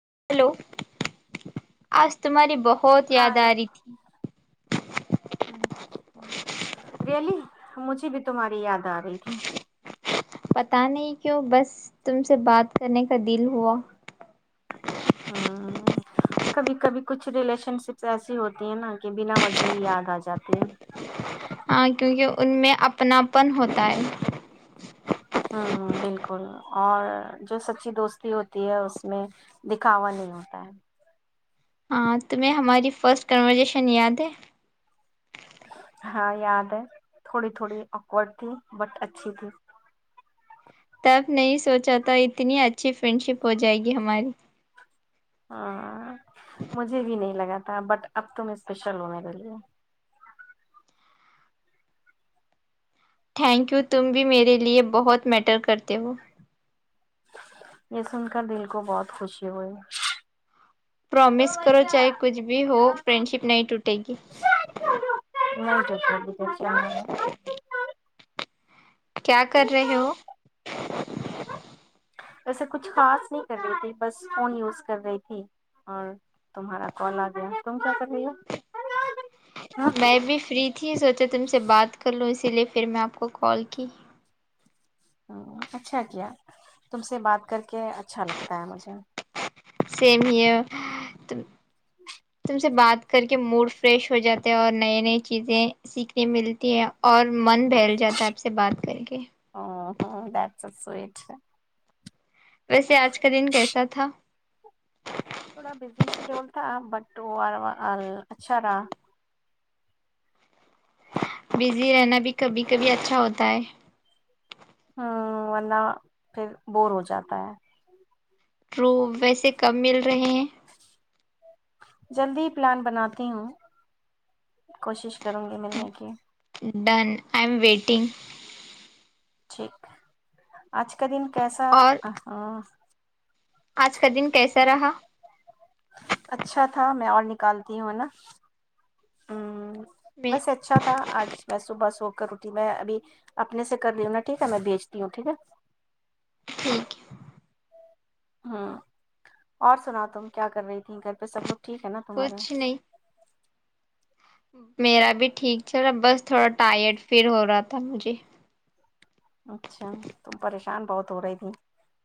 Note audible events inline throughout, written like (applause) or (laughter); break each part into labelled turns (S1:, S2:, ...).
S1: (inaudible) آ رہی تھی
S2: (inaudible) (inaudible)
S1: (inaudible)
S2: (inaudible)
S1: (inaudible)
S2: (inaudible)
S1: (inaudible)
S2: (inaudible)
S1: (inaudible)
S2: (inaudible) (inaudible) (inaudible)
S1: (inaudible)
S2: (inaudible) نہیں
S1: (inaudible)
S2: (inaudible)
S1: (inaudible)
S2: (inaudible) ہاں
S1: (inaudible) (inaudible)
S2: (inaudible)
S1: (inaudible) (inaudible)
S2: دیٹس
S1: (inaudible)
S2: (inaudible)
S1: (inaudible)
S2: (inaudible)
S1: (inaudible)
S2: (inaudible)
S1: (inaudible)
S2: (inaudible) (inaudible)
S1: (inaudible)
S2: ٹھیک آج کا دن کیسا
S1: اور
S2: ہ
S1: آج کا دن کیسا رہا
S2: اچھا تھا میں اور نکالتی ہوں ہے نا ہ
S1: میں
S2: بس اچھا تھا آج میں صبح سو کرو تھی میں ابھی اپنے سے کر لوں نا ٹھیک ہے میں بیچتی ہوں ٹھیک ہے
S1: ٹھیک ہے
S2: ہوں اور سنا تم کیا کر رہی ت گھر پہ سب لوگ ٹھیک ہے نا تمہارے
S1: کچھ نہیں میرا بھی ٹھیک چلا بس تھوڑا ٹائرڈ فل ہو رہا تھا مجھے
S2: اچھا تم پریشان بہت ہو رہی تھی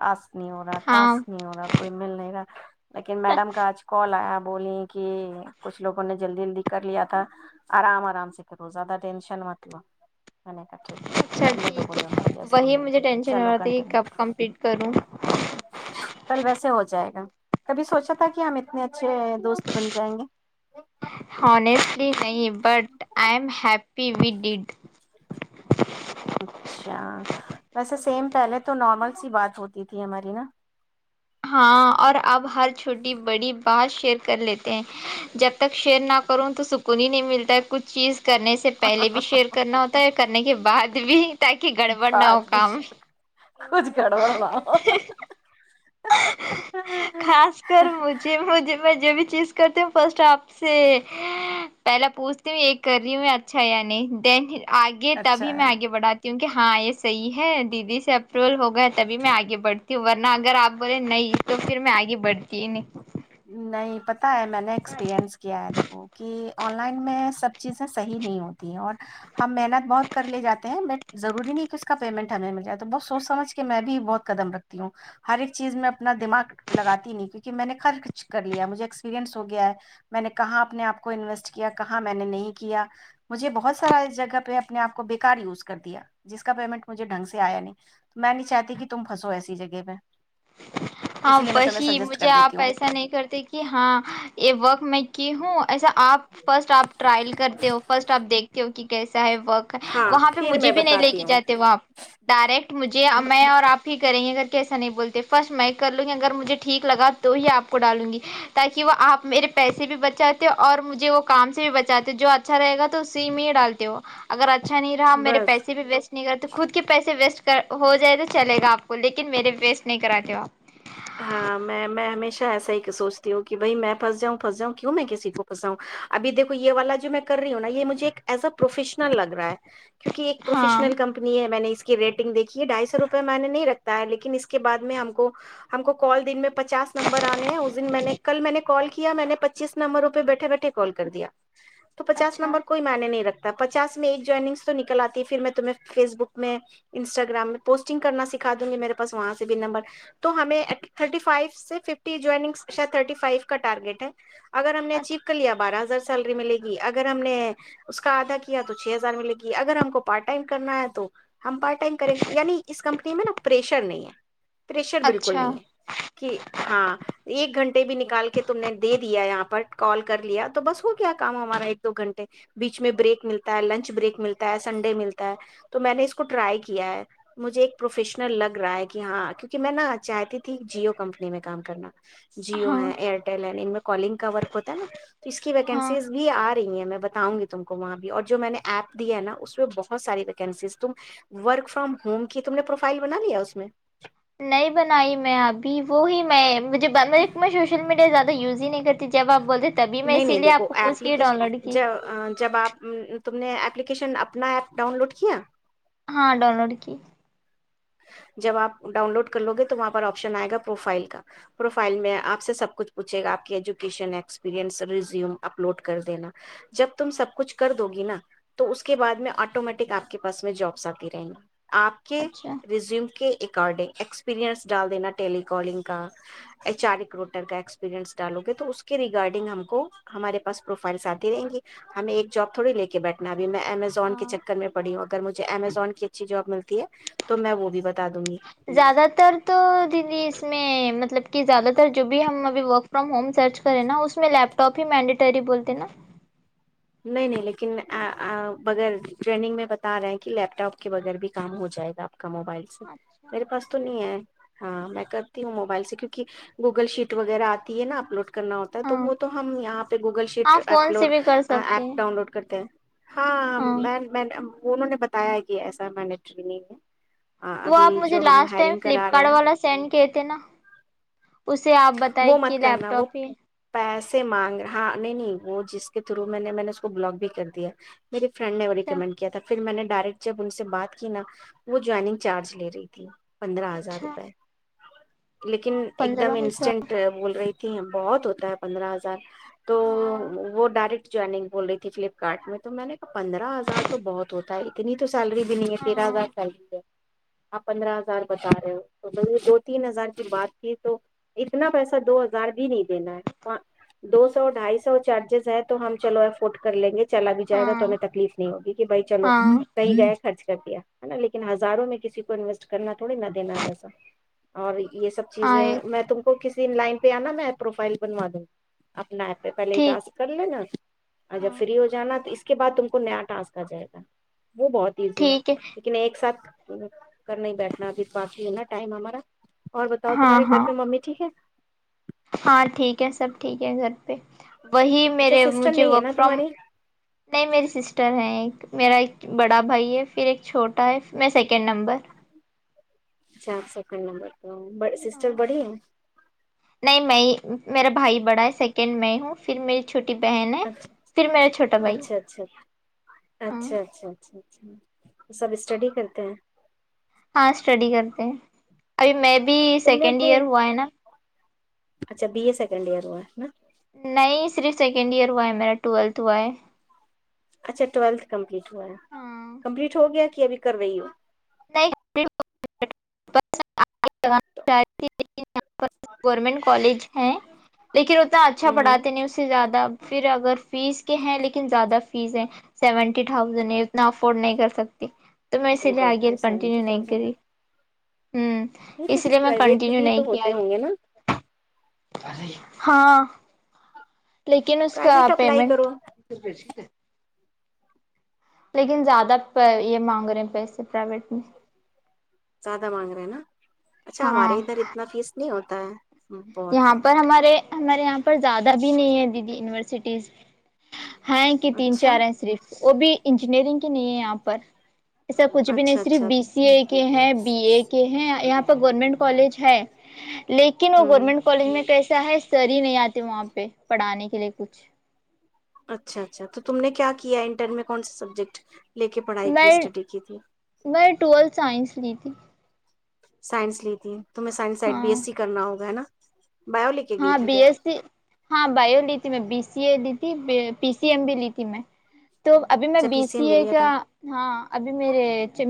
S2: رس نہیں ہو رہا ٹاس
S1: ہاں
S2: نہیں ہو رہا کوئی مل نہیں ہی رکھ لیکن میڈم کا آج کال آیا ا بولی کہ کچھ لوگوں نے جلدی جلدی کر لیا تھا آرام آرام سے کرو زیادہ ٹینشن مت ہوا میں نے کہا ٹھیک ہے
S1: اچھا
S2: کرنے دو
S1: ٹھیک
S2: بولے ان کو جیسا
S1: وہی مجھے ٹینشن ہو
S2: چلو
S1: رہا ت کہ
S2: کنٹینیو
S1: کب کمپلیٹ کروں
S2: ویسے ہو جائے گا کبھی سوچا تھا کہ ہم اتنے اچھے دوست بن جائیں گے
S1: ہسٹلی نہیں بٹ آئی ایم ہیپی فی ویڈڈ
S2: اچھا ویسے سیم پہلے تو نارمل سی بات ہوتی تھی ہماری نا
S1: ہاں اور اپ ہر چھوٹی بڑی بات شیئر کر لیتے ہیں جب تک شیئر نہ کروں تو سکون ہی نہیں ملتا کچھ چیز کرنے سے پہلے بھی شیئر کرنا ہوتا ہے کرنے کے بعد بھی تاکہ گڑبڑ نہ ہو کام
S2: کچ کڑ پڑ لام
S1: خاص کر مجھے مجھے م یہ بھی چیز کرتے ہ فسٹ آپ سے پہلاے پوچھتی ہ یہ کر رہی ہوں میں اچھا یا نہیں دین آگے
S2: اچھا
S1: تبھی
S2: ہے
S1: میں
S2: نا
S1: آگے بڑھاتی کہ ہاں یہ صحیح ہے دیدی سے اپروول ہو گیا تبھی میں آگے بڑتی ہوں ورنہ اگر آپ بولے نہیں تو پھر میں آگے بڑھتی ہی نہیں
S2: نہیں پتہ ہے میں نے ایکسپیرئنس کیا ہے دیکھو کہ آن لائن میں سب چیزیں صحی نہیں ہوتی ہیں اور ہم محنت بہت کرے جاتے ہیں بٹ ضروری نہیں کہ اس کا پیمنٹ ہمیں مل جائے تو بت سوچ سمجھ کے میں بھی بہت قدم رکھتی ہوں ہر ایک چیز میں اپنا دماغ لگاتی نہیں کیونکہ میں نےر کر لیا مجھے ایکسپریئنس ہو گیا ہے میں نے کہاں اپنے آپ کو انویسٹ کیا کہاں میں نے نہیں کیا مجھے بہت سارا جگہ پہ اپنے آپ کو بےیکار یوز کر دیا جس کا پیمنٹ مجھے ڈھنگ سے آیا نہیں تو میں نہیں چاہتی کہ تم پنسو ایسی جگہ پہ
S1: ہاں
S2: اسی لیے میں تمہیں
S1: وہی
S2: سجیسٹ
S1: مجھے
S2: کر دیتی
S1: آپ
S2: ہوں
S1: ایسا نہیں کرتے کہ ہاں یہ وورک میں کی ہوں ایسا آپ فرسٹ آپ ٹرائل کرتے ہو فرسٹ آپ دیکھتے ہو کہ کیسا ہے ورک ہے
S2: ہاں
S1: وہاں پہ
S2: پھر
S1: مجھے
S2: میں
S1: بھی نہیں لے
S2: بتاتی
S1: کے
S2: ہوں
S1: جاتے وہ آپ ڈائریکٹ مجھے میں اور آپ ہی کریں ا ایسا نہیں بولتے فرٹ مائک کر لوں گی اگر مجھے ٹھیک لگا تو ہی آپ کو ڈالوں گی تاکہ وہ آپ میرے پیسے بھی بچاتے اور مجھے وہ کام سے بھی بچاتے جو آ اچھا رہےا اسی میں ہی ڈالتے ہو اگر آ اچھا نہیں رہا مے
S2: بس
S1: پیسے بھی ویسٹ نہیں کر تو خود کے پیسے ویسٹ کر ہو جائے تو چلے گا آپ کو لیکن میرے ویسٹ نہیں کراتے ہو آپ
S2: ہاں میں میں ہمیشہ ایسا ہی سوچتی ہوں کہ بھائی میں پھس جاؤں پنس جاؤں کیوں میں کسی کوھنساؤںب دیکو یہ والا جو میں کر رہی ہوں ن یہ مجھے ایک ایز ا پروفیشنل لگ رہا ہے کیونکہ ایک
S1: ہاں
S2: پروفیشنل کمپنی ہے میں نے اس کی ریٹنگ دیکھیے ڈھائی سو روپئے میں نے نہیں رکھتا ہے لیکن اس کے بد میں ہم کو ہم کو کال دن میں پچاس نمبر آنے ہیں اس دن میں نے کل میں نے کال کیا میں نے پچیس نمبروں پہ بیٹھے بیٹھے کال کر دیا تو پچاس
S1: اچھا
S2: نمبر کوئی میں نے نہیں رکھا پچاس میں ایک جوائننگس تو نکل آتی پھر میں تمہیں فیس بک میں انسٹاگررام میں پوسٹنگ کرنا سکھا دوں گی میرے پاس وہاں سے بھی نمبر تو ہمیں تھرٹی فائیو سے ففٹی جوائنگ شاید تھرٹی فائیو کا ٹارگیٹ ہے اگر ہم نے چیو
S1: اچھ
S2: کر لیا بارہ س سیلری ملے گی اگر ہم نے اس کا آدھا کیا تو چھ ہزار ملے گی اگر ہم کو پارٹ ٹائم کرنا ہے تو ہم پارٹ ٹائم کریں گے یعنی اس کمپنی میں نا پریشر نہیں ہے پریشر بالکل
S1: اچھا
S2: نہیں ہے کہ ہاں ایک گھنٹے بھی نکال کے تم نے دے دیا یہاں پر کال کر لیا تو بس ہو کیا کام ہمارا ایک دو گھنٹے بیچ میں بریک ملتا ہے لنچ بریک ملتا ہے سنڈے ملتا ہے تو میں نے اس کو ٹرائی کیا ہے مجھے ایک پروفیشنل لگ رہا ہے کہ ہاں کیونکہ میں نہا چاہتی ت جیو کمپنی میں کام کرنا جیو
S1: ہاں
S2: ہے ایئرٹیل ہے ان میں کالنگ کورک ہوتا ہے نا اس کی
S1: ہاں
S2: ویکنسیز بھی آٹ رہی ہے میں بتاؤں گی ت کو وہاں بھی اور جو میں نے ایپ دیا ہے نا اس میں بہت ساری ویکینسیز تم ورک فرام ہوم کی تم نے پروفائل بنا لیا اس میں
S1: نہیں بنائی میں ابھی وہی میں ج سوشل میڈیاات یز ہی نہیں کرتی جب آپ بولتے تبھی میں
S2: نہیں
S1: اسی
S2: نہیں
S1: لیے
S2: دیکھو
S1: آپ کو پوچھ کے ڈاؤن
S2: ایلیکیشن
S1: لوڈ کی
S2: ج جب آپ تم نے اپلیکیشن اپنا ایپ ڈاؤن لوڈ کیا
S1: ہاں ڈاؤن لوڈ کی
S2: جب آپ ڈاؤن لوڈ کر لو گے تو وہاں پر آپشن آئے گا پروفائل کا پروفائل میں آپ سے سب کچھ پوچھے گا آپ کی ایجوکشن ایکسپریئنس ریزیوم اپلوڈ کر دینا جب تم سب کچھ کر دو گی نا تو اس کے بعد میں آٹومیٹک آپ کے پاس میں جابس آتی رہیں گی آپ کے
S1: اچھا
S2: کے اکارڈنگ ایکسپیرئنس ڈال دینا ٹیلییکالنگ کا چارک روٹر کا نس ڈالو گے تو اس ریگارڈنگ ہم کو ہمارے پس پروفائلس آتی رہیں گی ہمیں ایک جاب تھوڑی لے کے بیٹھنا میں امیزون کے
S1: ہاں
S2: چکر میں پڑی ہوں تو مجھے امیزون کی اچھی جاب ملتی ہے تو میں وہ بھی بتا دوں گی
S1: زیادہ تر تو دیدی اس میں مطلب کہ زیادہ تر جو بھی ہم اب ورک فرام ہوم سرچ کریں نا اس میں لیپ ٹاپ ہی مینڈیٹری بولتے نا
S2: نہیں نہیں لیکن بغیر ٹرینڈنگ میں بتا رہے ہیں کہ لیپ ٹاپ کے بغیر بھی کام ہو جائے گا آپ کو موبائل سے
S1: اچھا
S2: میرے پاس تو نہیں ہے ہاں میں کرتی ہوں موبائل سے کیوںہ گوگل شیٹ وغیرہ آتی ہے نا اپلوڈ کرنا ہوتا ہے تو
S1: ہاں
S2: وہ تو ہم یہاں پہ گوگل شیٹ
S1: آپ فون سے
S2: اپلوڈ
S1: بھی کر سکتے
S2: ایپ
S1: ہیں
S2: ڈاؤن لوڈ کرتے ہیں ہاں وہ انہوں نے بتایا کہ ایسا میں نے ٹریگ ہے
S1: وہ
S2: ابھی
S1: آپ مجھے
S2: جو ہم
S1: لاسٹ ٹائم
S2: ہائرنگ کرا
S1: فلپکارٹ
S2: رہے ہیں
S1: والا سینڈ کی تھے نا اس سے آپ بتیں کہ لیپ ٹاپ ہی
S2: سے مانگ ہاں نہیں نہیں وہ جس کے تھرو میں نے نے اس کو بلاک بھی کر دیا مے فرینڈ نے وہ
S1: اچھا
S2: ریکمنڈ کیا تھا پھر میں نے ڈائریکٹ جب ان سے بات کی نا وہ جوائننگ چارج لے رہی تھی پندرہ ہزار
S1: اچھا
S2: روپئے لیکن ایک دم
S1: پندرہ
S2: ان
S1: ہزار
S2: بول رہی تھی بہت ہوتا ہے پندرہ ہزار تو
S1: ہاں
S2: وہ ڈائریکٹ جوینک بول رہی تھی فلپکارٹ میں تو میں نے کہا پندر ہزار تو بہت ہوتا ہے اتنی تو سیلری بھی نہیں ہے تیرہ
S1: ہاں
S2: ہزار سیلری ہے آپ پندرہ ہزار بتا رہے ہو تو ب دو تین ہزار کی بات کی تو اتنا پیسہ دو ہزار بھی نہیں دینا ہے دو سو ڈھائی سو چارجز ہے تو ہم چلو افورڈ کر لیں گے چلا بھی جائے گا تو
S1: ہاں
S2: ہمیں تکلیف نہیں ہوگی کہ بھائی چلو
S1: ہاں
S2: صحی رہ خرچ کر دیا ہے نا لیکن ہزاروں میں کسی کو انویسٹ کرنا تھوڑی نہ دین پیسا اور یہ سب چیزیں
S1: آئے
S2: میں تو کسی لائن پہ آنا میں پروفائل بنوا دوں آپ کو ن پہ پہلے ہی
S1: ٹھیک
S2: ٹاسک کر لینا اور جب
S1: ہاں
S2: فری ہو جانا تو اس کے بعد ت کو نیا ٹانسک آ جائے گا وہ بہت ایزی ہے لیکن ایک ساتھ کل نہیں بیٹھنا ابھی باقی ہے نا ٹائم ہمارا اور بتاؤ
S1: ہاں
S2: تمہارے گھر
S1: ہاں
S2: پہ ممی ٹھیک ہے
S1: ہاں ٹھیک ہے سب ٹھیک ہے گھر وہی
S2: اچھا
S1: میرے
S2: سسٹر
S1: مجھے
S2: نہیں ہے
S1: ورک
S2: نا
S1: فرام
S2: تمہاری
S1: نہیں میری سسٹر ہیں میرا ایک بڑا بھائی ہے پھر ایک چھوٹا ہے میں سیکنڈ نمبر
S2: اچھا سیکنڈ نمبر تو
S1: ہاں
S2: سسٹر بڑی ہیں
S1: نہیں میں ہی میرا بھائی بڑا ہے سیکنڈ میں ہوں پھر میری چھٹی
S2: اچھا اچھا اچھا اچھا
S1: ہاں
S2: اچھا اچھا اچھا اچھا وہ سب اسٹڈی کرتے ہیں
S1: ہاں اسٹڈی کرتے ہیں ابھی میں بھی
S2: تم نے
S1: سیکنڈ
S2: اپنے
S1: ایئر ہوا ہے نا
S2: اچھا بی ای سیکنڈ ایئر وہا ہےا
S1: نہیں صرف سیکنڈ ایئر ہوا ہے میرا ٹویلتھ ہوا ہے
S2: اچھا ٹویلتھ کمپٹیٹ کمپلیٹ ہو گیا ک ابھی کر رہی ہو
S1: نہیں لیکن یہاں گورنمنٹ کالج ہے لیکن اتنا اچھا
S2: ہوں ہوں
S1: پڑھاتے نہیں اس سے زیادہ پھر اگر فیس کے ہیں لیکن زیادہ فیس ہے سیونٹی تھاؤزینڈ ہے اتنا افورڈ نہیں کر سکتی تو میں س
S2: ارے
S1: لیے
S2: باپ
S1: آگے
S2: رے
S1: کنٹیینیو
S2: سیونٹی
S1: نہیں
S2: تھاؤزینڈ
S1: کری ہ
S2: نہیں تو
S1: اس لیے
S2: کچھ
S1: میں
S2: پرائیویٹ
S1: کنٹینیو
S2: بھی
S1: نہیں
S2: تو ہوتے ہوں گے نا
S1: کیا ہاں لیکن اس کا
S2: پرائیویٹ اپلائی
S1: پیمنٹ
S2: کرو
S1: لیکن زیادہ یہ مانگ رہے ہیں پیسے پرائیویٹ میں
S2: زیادہ مانگ رہے ہیں نا اچھا ہمارے
S1: ہاں
S2: ادھر اتنا فیس نہیں ہوتا (unintelligible) بہت
S1: یہاں پر ہمارے ہمارے یہاں پر زیادہ اب بھی نہیں ہے دیدی یونیورسٹیز ہاں کہ تین
S2: اچھا
S1: چار ہیں صرف وہ بھی انجینئرنگ کی نہیں ہے یہاں پر ایسا کچھ بھی نہیں
S2: اچھا
S1: صرف
S2: اچھا
S1: بی سی اے کے ہیں بی اے کے ہیں یہاں گورنمنٹ کالج ہے لیکن وہ
S2: ہوں
S1: گورنمنٹ کالج میں کیسا ہے سر ہی نہیں آتے وہاں پہ پڑھانے کے لیے کچھ
S2: اچھا اچھا تو تم نے کیا کیا انٹر میں کون سےا سبجیکٹ لے کے پڑھائی کی
S1: میں
S2: اسٹڈی کی تھی
S1: میں ٹویلتھ سائنس لی تھی
S2: سائنس لیتی تمہ سائن سائ بی ایس
S1: ہاں
S2: س کرنا ہوگا نا بایو لے کے گئی
S1: ہاں
S2: تھی
S1: بی
S2: کیا
S1: ایس سی ہاں بائیولی ت میں بی س سیے لی تھی پی سی ایم بھی لی تھی میں تو ابھی میں
S2: اچھا پی
S1: بی سی
S2: ایم بھی
S1: ا
S2: لیا
S1: کا
S2: تھا
S1: ہاں ابھی میرے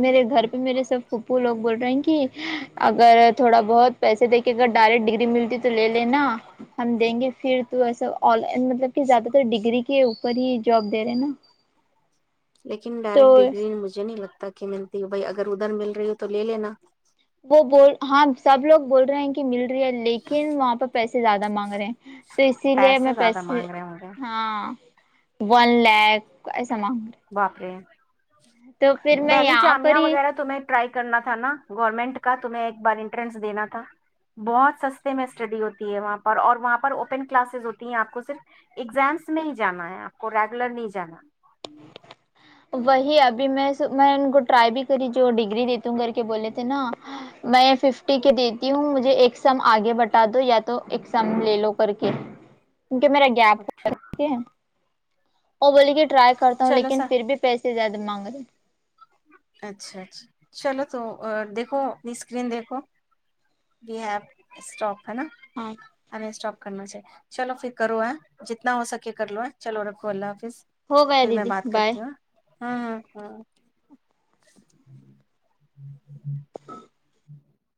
S1: میرے گھر پہ میرے سب خوپو لو بول رہے ہیں کہ اگر تھوڑا بہت پیسے د کے اگر ڈائریکٹ ڈگری ملتی تو لے ل نا ہم دیں گے پھر تو ایسا آ لائن مطلب کہ زیادہ تر ڈگری کے اوپر ہی جاب دے رہے نا
S2: لیکن
S1: تو
S2: ڈائریکٹ ڈگری مجھے نہیں لگتا کہ ملتی ہے بھائی اگر ادھر مل رہی ہو تو لے لینا
S1: وہ بول ہاں سب لوگ بول رہے ہیں کہ مل رہ ہے لیکن وہاں پہ پیسے سے زیادہ مانگ رہے ہیں تو اسی لیے میں
S2: زیادہ
S1: پیسے
S2: مانگ رہے ہوں گے
S1: ہاں ون لھ ایسا مگ
S2: باپرے ہیں
S1: تو پھر میں یہاں پر ہی
S2: تمہیں ٹرائی کرنا تھا نا گورنمنٹ کا توم ایک بار انٹرنس دینا تھا بہت سستے میں اسٹڈی ہوتی ہے وہاں پر اور وہاں پر اوپن کلاسز ہوتی ہیں آپ کو صرف ایگزامس میں ہی جانا ہے آپ کو ریگولر نہیں جانا
S1: وہی ابھی میں میں ان کو ٹرائی بھی کری جو ڈگری دیتی ہوں کر کے بولے تھے نا میں ففٹی کے دیتی ہوں مجھے ایکسام آگے بٹا دو یا تو ایکسام لے لو کر کے کیونکہ میرا گیپ
S2: اچھا
S1: ہو ہے وہ بوللی کے ٹرائی کرتا ہوں
S2: چلو
S1: لیکن
S2: سر
S1: کیسے زیادہ مانگ رہے ہیں
S2: اچھا اچھا چلو تو دیکھو اپنی اسکرین دیکھو یہ ایپ اسٹپ ہے نا
S1: ہاں
S2: ہمیں اسٹاپ کرنا سےاہ چلو پھر کرو ہے جتنا ہو سکے کر لو ہے چلو رکھو اللہ حافظ
S1: ہو گیا
S2: پھر میں
S1: دیدی
S2: بات
S1: بائے
S2: کرتی ہوں ہاں ہاں ہاں (inaudible)